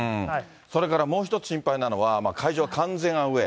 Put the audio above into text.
それからもう一つ心配なのは会場は完全アウエー。